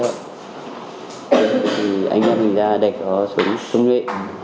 thì anh em mình ra đạch nó xuống nhuệ